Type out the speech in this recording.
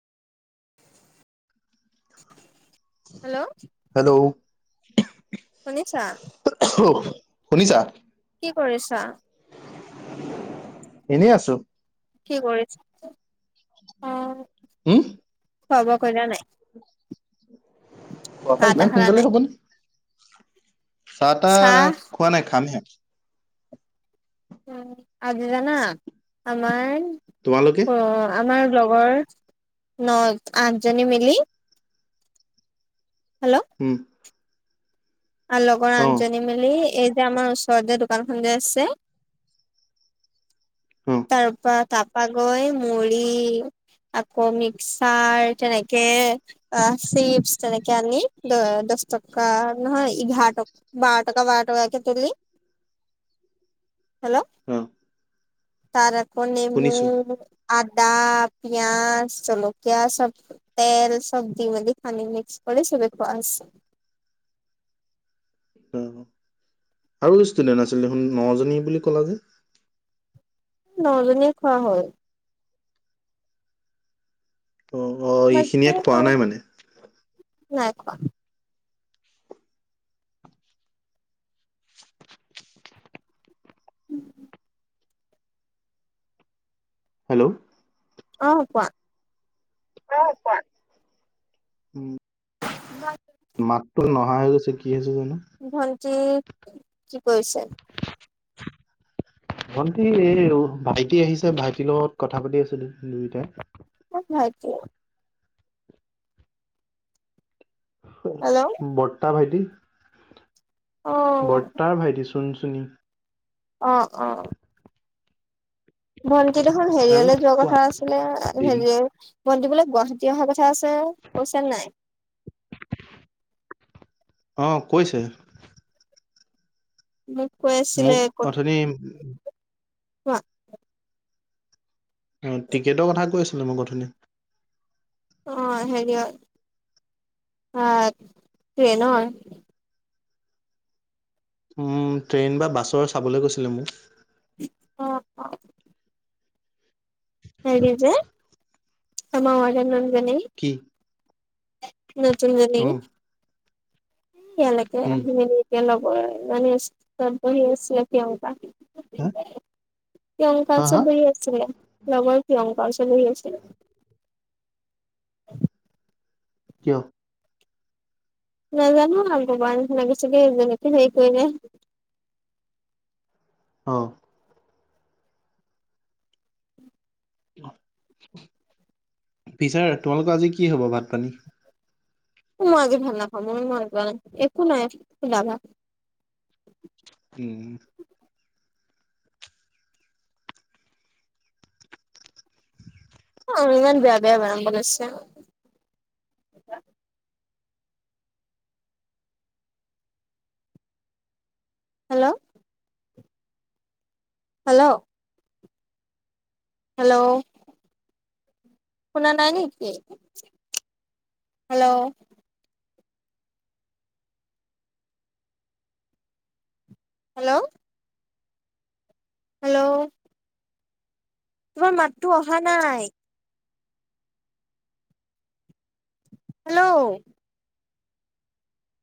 Hello. Hello. শুনিছা। শুনিছা? কি কৰিছা? এনে আছো। কি কৰিছা উম, উম, খোৱা বোৱা কৰিলা নাই। খোৱা বোৱা চাহ তাহ ইমান খালা সোনকালে নাই হ'বনে, চাহ তাহ খোৱা নাই খামহে। উম, আজি জানা, আমাৰ, তোমালোকে? অ'। আমাৰ লগৰ, নয়, আঠজনী মিলি হেল্ল'। উম, আৰু লগৰ অ', আঠজনী মিলি এই যে আমাৰ ওচৰতে দোকানখন যে আছে অ', তাৰ পৰা তাপা গৈ মুৰি আকৌ মিক্সাৰ যেনেকে অ', চিপছ তেনেকে আনি দ-দহটকা নহয় এঘাৰো টকা। বাৰটকা বাৰটকাকে তুলি, হেল্ল'। [unintelligible] তৰকণি শুনিছো মোৰ আদা, পিয়াজ, জ্বলকীয়া চব। তেল চব দি মেলি খানি মিক্স কৰি চবে খোৱা হৈছে। অ'। আৰু [unintelligible] দেখোন নজনী বুলি ক'লা যে। নজনীয়ে খোৱা হ'ল। অ' অ' এইখিনিয়ে খোৱা [unintelligible] নাই মানে। নাই খোৱা। [unintelligible] হেল্ল'। অ', কোৱা। অ', কোৱা, উম, [unintelligible] মাতটো নহা হৈ গৈছে কি হৈছে জানো। ভণ্টি, কি কৰিছা? ভণ্টি এই ভাইটি আহিছে ভাইটিৰ লগত কথা পাতি আছো দু-দুয়োটাই। [unintelligible] হেল্ল' বৰতা ভাইটি। অ' বৰতা ভাইটি সোণ সুনি। অ' অ'। ভণ্টি দুখন আৰু হেৰীয়ালে যোৱা কোৱা? কথা আছিলে, হেৰিয়াৰ। [unintelligible] গুৱাহাটী অহা কথা আছে কৈছে নে নাই? অ' কৈছে। মোক কৈ আছিলে মোক [unintelligible] কোৱা উম, টিকেটৰ কথা কৈ আছিলো মই গধূলি। অহ হেৰিয়ত অহ ট্ৰেইনৰ উম, ট্ৰেইন বা বাছৰ চাবলৈ কৈছিলে মোক। [unintelligible] হেৰি যে আমাৰ [unintelligible] কি? নতুন জনী অ এয়ালৈকে উম আহিলে সি। একে লগৰজনী আছিল বহি আছিলে তেওঁৰ পৰা। হা স অংকা হা চ হা বয় আছিল লগৰ কি অংকা চ বহ আছিল [unintelligible] কিয়? নাজানো ভগৱান লাগিছিলে যেনেকে হেৰি কৰিলে। অহ। পিছে তোমালোকৰ আজি কি হব ভাত -পানী? মই আজি ভাত নাখাওঁ, মই মাছ-মাংস একো নাই সুদা ভাত। উম। অহ, ইমান বেয়া বেয়া বেদাম বানাইছে। হেল্ল'। হেল্ল'। হেল্ল'। শুনা নাই নেকি? হেল্ল'। হেল্ল'। হেল্ল'। তোমাৰ মাততো অহা নাই। হেল্ল'।